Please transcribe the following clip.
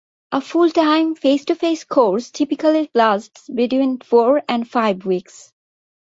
A full-time, face-to-face course typically lasts between four and five weeks.